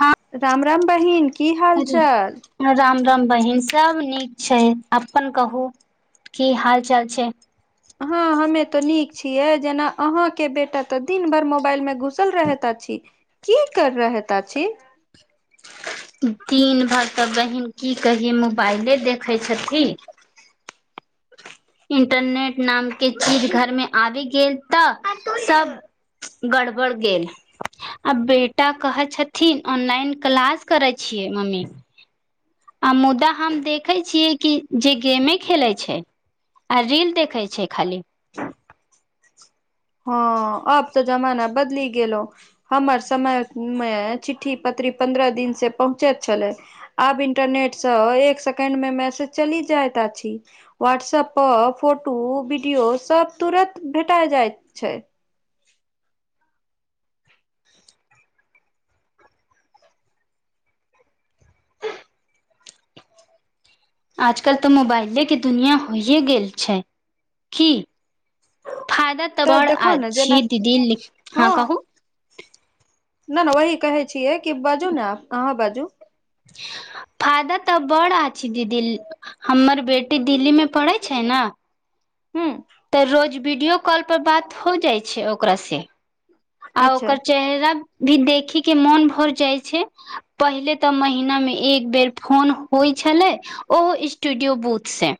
हँ राम राम बहिन की हाल चाल राम राम बहिन सब नीक छै अपन कहू की हाल चाल छै हँ हमे तऽ नीक छियै जेना अहाँके बेटा तऽ दिन भरि मोबाइल मे घुसल रहेत छी की कर रहल अछि दिन भरि तऽ बहिन की कहि मोबाइले देखे छथि इंटरनेट नाम के चीज घर मे आबि गेल [unintelligible] गड़बड़ गेल आ बेटा कहे छथिन ऑनलाइन क्लास करै छियै मम्मी आ मुदा हम देखे छियै कि जे गेमे खेले छै आ रील देखै छै खाली हँ अब तऽ जमाना बदली गेललौ हमर समय मे चिठ्ठी पत्री पन्द्रह दिनसँ पहुँचैत छलै आब इंटरनेट स एक सेकेंड मे मैसेज चली जायइत अछि व्हाट्सप पर फोटो वीडियो सब तुरत भेटा जाय छै आजकल तऽ मोबाइले के दुनिया होइए गेल छै [inaudible] की फायदा तऽ बड़ देखो ने अहि जेना दीदी हँ कहू न न वही कहे छियै कि बजू ने अहाँ बाजू फादत तऽ बड़ा आ छि दीदी हमर बेटी दिल्ली मे पढ़ै छैय न हू तऽ रोज वीडियो कॉल पर बात हो जाइ छैय ओकरा से आ अच्छा ओकर चेहरा भी देखी के मोन भऽ जाइ छै पहिले तऽ महिना मे एक बेर फोन होइ छलै ओहो स्टूडियो बूथसँ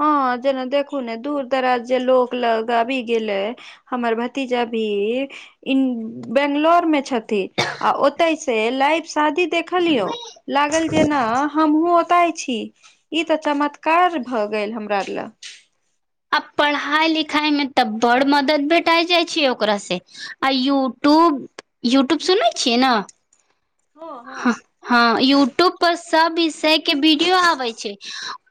हँ जेना देखू ने दूर दराज जे लोक लगाबी गेलै हमर भतीजा भी इन बंगलोर मे छथि आ ओतै से लाइ शादी देखलियौ लागल जेना हमहुँ ओताय छी ई ते चमत्कार भ गेल हमरा ले आ पढ़ाई लिखाई में तऽ बड़ मदद भेटाय जाइ छै ओकरा से आ यूट्यूब यूट्यूब सुनने छियै न हँ हँ हँ यूट्यूब पर सब विषय के वीडियो आबै छैय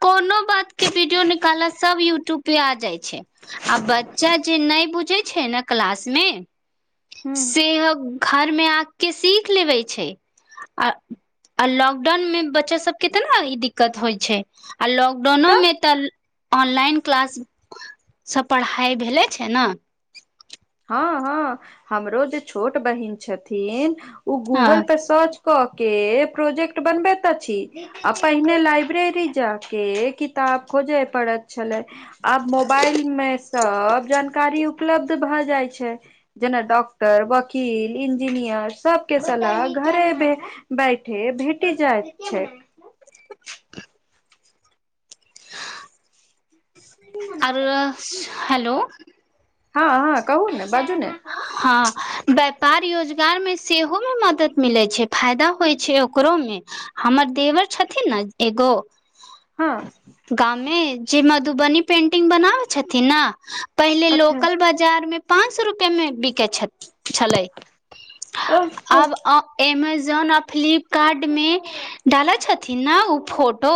कोनो बात के वीडियो निकाल सब यूट्यूब प जाइ छैय आ बच्चा जे नहि बुझे छैय न क्लास मे ह से घर मे आ के सीख लेबै छैय आ आ लॉकडाउन मे बच्चा सब के तेना ई दिक्कत होइ छैय आ लॉकडाउनोमे तऽ ऑनलाइन क्लाससँ पढ़ाइ भेल छैय न हँ हँ हमरो जे छोट बहिन छथिन ओ हँ गूगल पे सर्च कऽ के प्रोजेक्ट बनबे तऽ छी आ पहिने लाइब्रेरी जा के किताब खोजे पड़ैत छलै आब मोबाइल मे सब जानकारी उपलब्ध भए जाइ छैय जेना डॉक्टर वकील इंजीनियर सबके सलाह घरेमे बैठे भेटी जाइत छैय आर हेलौ हँ हँ कहू न बाजू न हँ व्यापार योजगार मे सेहोमे मदद मिलैत छैय फायदा होइत छै करो मे हमर देवर छथिन ने एगो हँ गाममे जे मधुबनी पेंटिंग बनाबै छथिन न पहिले अच्छा लोकल बाजार में पाँंच सए रुपआ मे बिके छथि छलै अच्छा आब एमेजोन आ फ्लिपकार्ट मे डालै छथिन न ओ फोटो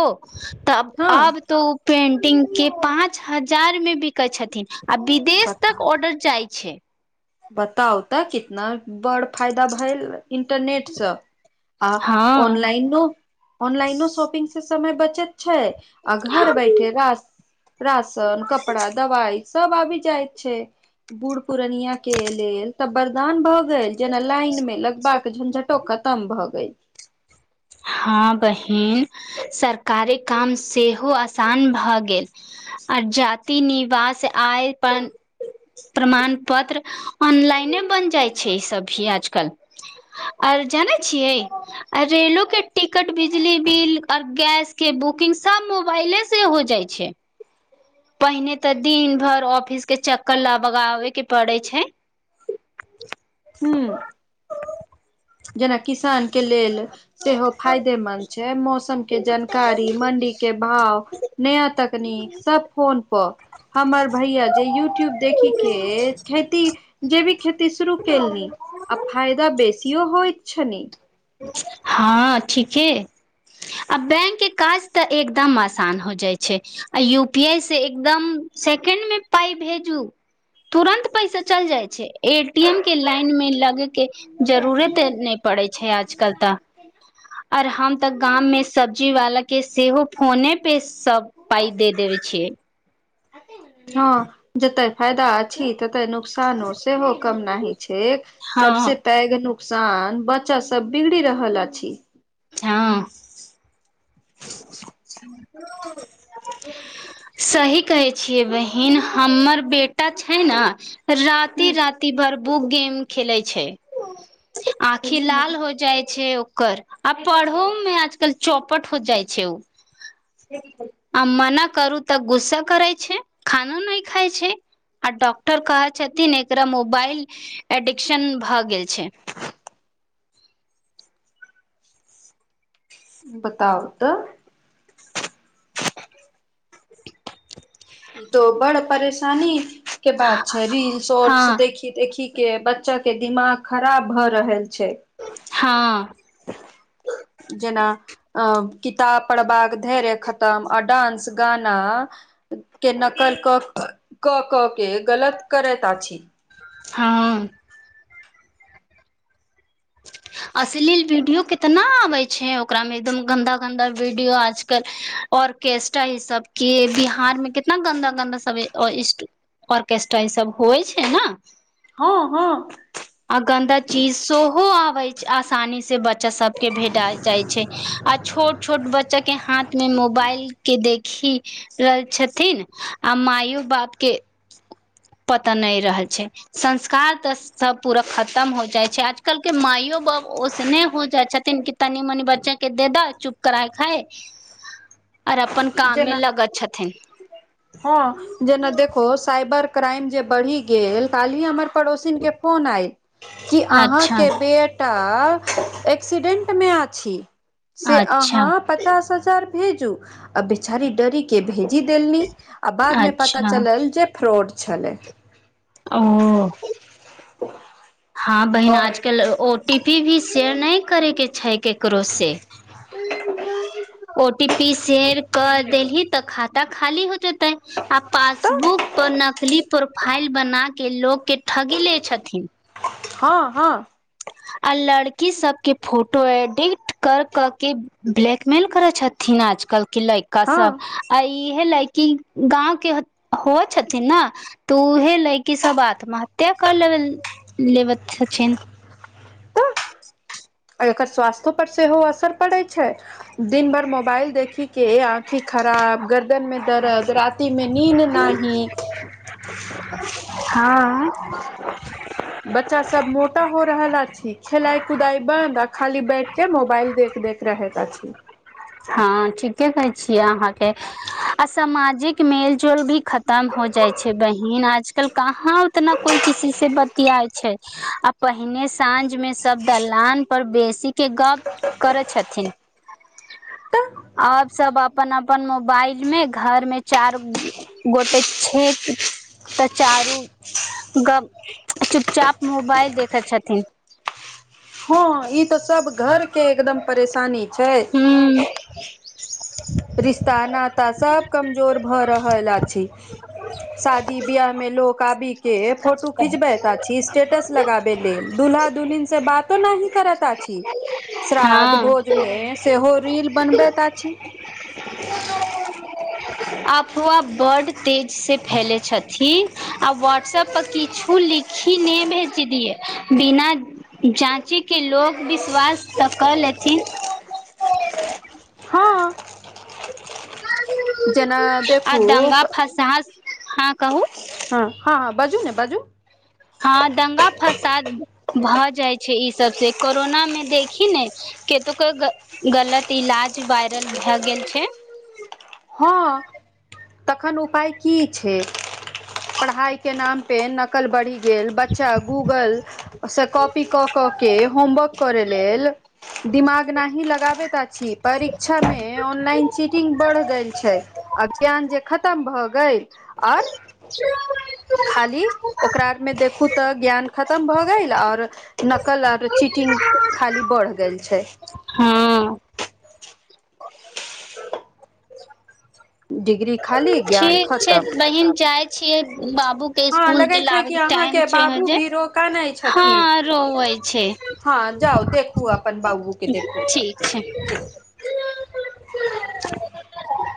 तऽ हँ आब तो ओ पेंटिंग के पाच हजार मे बिकै छथिन आ विदेश तक बताउ ऑर्डर जाय छैय बताउ तऽ कितना बड़ फायदा भेल इंटरनेटसँ आ हँ ऑनलाइनो ऑनलाइनो शॉपिंग से समय बचैत छैय आ घर बैठे राशन कपड़ा दवाई सब आबि जायत छै बूढ़ पुरनिया के लेल तऽ वरदान भऽ गेल गेल जेना लाइन मे लगबाक झंझटो खतम भऽ गेल हँ बहिन सरकारी काम सेहो आसान भए गेल आ जाति निवास आय अपन। प्रमाण पत्र ऑनलाइने बन जाइ छै, ई सभ भी आजकल आर जानै छियै लोक के टिकट बिजली बिल आऔर गैस के बुकिंग सभ मोबाइले से हो जाय छै। पहिने त दिन भर ऑफिस के चक्कर लबगाबे के पड़े छै हू। जेना किसान के लेलऽ सेहो फायदे मंन्द छै, मौसम के जानकारी मण्डी के भाव नया तकनीक सभ फोन पर हमर भैया जे यूट्यूब देखके खेती जे भी खेती शुरू केलनि आ फायदा बेसियो होय छै ने हँ, ठीके। आ बैंक के काज तऽ एकदम आसान हो जाइ छै, आ यूपी आई से एकदम। सेकेंड मे पाय भेजू तुरन्त पैसा चल जाइ छैय एटीएम के लाइन मे लगे के जरूरत ने पड़े छैय आज करता ओर हम तऽ गाममे सब्जीवला के सेहो फोने पे सभ पाइ दे देबे छैय हँ जतय फायदा अछि, टते न नुकसानो ससँ हो कम नहि छै सभसँ हँ पैघ नुकसान बच्चा सभ बिगड़ि रहल अछि। हँ। [unintelligible] सही कहै छिये बहिन हमर बेटा छै ने राति राति भर बुक गेम खेलै छै। आँखि लाल हो जाइ छै, ओकर आ पढ़ो मे आज कल चौपट। ठीक जाइ छै ओ आ मना करू तऽ गुस्सा करै छै, खानो नहि खाय छै। आ डॉक्टर कहे छथिन एकरा मोबाइल एडिक्शन भऽ गेल छै। बताउ त [inaudible] ई ते बड़ परेशानी के बात छै, रील हँ शॉर्ट्स देखी के बच्चाके दिमाग खराब भऽ रहल छै हँ। जेना किताब पढ़बाक धैर्य खतम डान्स गाना। के नकल कऽ कऽ के गलत करैत अछि। हँ। अश्लील वीडियो कितना आबै छै, ओकरा मे एकदम गन्दा गन्दा वीडियो आज कल ऑर्केस्ट्रा ही सभ क बिहार मे कितना गन्दा गन्दा सभ ऑर्केस्ट्रा ई सभ होइ छै ने हँ, हँ। आ गन्दा चीज सेहो आबे छै, असानी से बच। बच्चा सभ के भेट जाइ छै, आ छोट छोट बच्चाके हाथमे मोबाइल के देख। खी रहल छथिन आ मइयो बापके। पता नहि रहल छै, संस्कार तऽ। सब पूरा खतम हो जाइ छै आजकल के माइयो बाप ओसने हो जाइ छथिन तनी मनि बच्चा के दे दह चुप कराय खाय [inaudible] आर अपन काम मे जेना लगत छथिन हँ जेना देखो साइबर क्राइम जे बढ़ि गेल कालहि हमर पड़ोसिन के फोन आयल कि अच्छा अहाँके बेट एकसीडेंट मे अह अच्छा पचास हजार भेजू आ बेचारी डरीके भेजी देलनि आ बाद में पता अच्छा चलल जे फ्रॉड छलै ओ हाँ बहिन आज कल ओ टी पी भी शेयर नय करे के छै केकरो से ओ टी पी सेयर कऽ देलही तऽ खाता खाली हो जेतै आ तऽ पासबुक पर नकली प्रोफाइल बना के लोक के ठगी ले छथिन हाँ हाँ आ लड़की सब के फोटो एडिट कर कऽ के ब्लैकमेल करैत छथि थिन आजकल के लैयका सब हँ आ इहे लएकी कि गाँव के हो छथिन ने तऽ उएहे लै किी सभ आत्महत्या कर लेब लेब छथिन आ एकर स्वास्थ्यो पर सेहो असर पड़ै छै दिन भर मोबाइल देखी के आँखी खराब गर्दन मे दर्द राति में नीन्द न ही हाँ [inaudible] बच्चा सब मोटा हो रहल अछि खेलाइ कुदाइ बन्द आ खाली बैठ के मोबाइल देख देख रहैत आछी हाँ ठीके कहै छियै अहाँ के अऽ सामाजिक मेल जोल भी खतम हो जाई छै बहिन आजकल कहाँ उतना कोई किसी से बतियाय छै आ पहिने साँझ में सब दलान पर बेसी के गप करै छथिन तऽ आब सब अपन अपन मोबाइल में घर मे चार गोटे छेक तऽ चारू ग चुप चाप मोबाइल देखैत छथिन हाँ ई तऽ सब घर के एकदम परेशानी छै हूँ रिश्ता नाता सब कमजोर भऽ रहल आछी शादी बिहाह में लोक आबी के फोटो खिचबै तऽ आछी स्टेटस लगाबे लेल दुल्हा दुलहिन से बातो नाही करत आछी श्राद्ध हँ भोज में से हो रील बनबैत अछि [unintelligible] अफवाह बड़ तेज से फैले छथिन आ व्हाट्सऐप पर किछु लिख खी नहि भेज दियै बिना जाँची के लोक विश्वास तऽ कऽ लेथिन हँ जेना आ देखू दंगा हँ फसास हाँ कहू हाँ हाँ हाँ बज्जु ने बज्जु हाँ दंगा फसाद भऽ जाई छै ई सब से कोरोना में देखी नय केतु के गलत इलाज वायरल भेए गेल छै हँ तखन उपाय की छै पढ़ाई के नाम पे नकल बढ़ी गेल बच्चा गूगल से कॉपी कऽ कऽ के होमवर्क करे लेल दिमाग नहि लगाबैत अछि परीक्षा में में ऑनलाइन चीटिंग बढ़ गेल छै आ ज्ञान जे खतम भए गेल और ओ [unintelligible] खाली ओकरा आर में देखू तऽ ज्ञान खतम भऽ गेल और नकल और चीटिंग खाली बढ़ गेल छै हं डिग्री खाली ज्ञान ठीक छै खतम। बहिन जाई छियै बाबू के हँ स्कूल लगै के छै लाबे कि के टाइम अहाँके छै ह बाबू जे भी रोकानै छथिन। हँ रोवे छै हँ जाउ देखु अपन बाबू के देखु ठीक छै